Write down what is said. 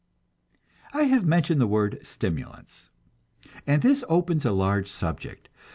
I have mentioned the word "stimulants," and this opens a large subject.